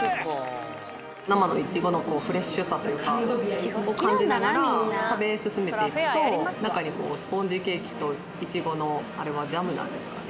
生のいちごのフレッシュさというかを感じながら食べ進めていくと中にスポンジケーキといちごのあれはジャムなんですかね。